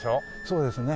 そうですね。